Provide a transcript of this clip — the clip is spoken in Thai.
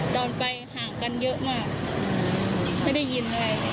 ตอนไปห่างกันเยอะมากไม่ได้ยินอะไร